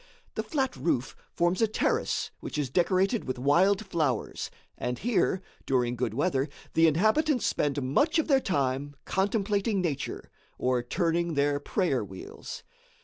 The flat roof forms a terrace which is decorated with wild flowers, and here, during good weather, the inhabitants spend much of their time contemplating nature, or turning their prayer wheels.